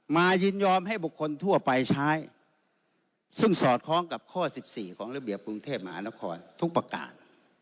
ยินยอมให้บุคคลทั่วไปใช้ซึ่งสอดคล้องกับข้อ๑๔ของระเบียบกรุงเทพมหานครทุกประการ